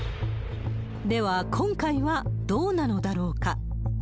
では、今回はどうなのだろうか。